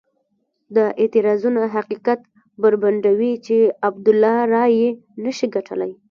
دا اعتراضونه حقیقت بربنډوي چې عبدالله رایې نه شي ګټلای.